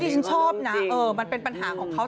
ฉันชอบนะมันเป็นปัญหาของเขา